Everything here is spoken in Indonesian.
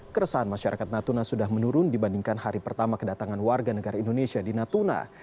keresahan masyarakat natuna sudah menurun dibandingkan hari pertama kedatangan warga negara indonesia di natuna